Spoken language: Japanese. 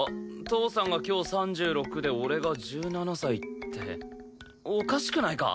父さんが今日３６で俺が１７歳っておかしくないか？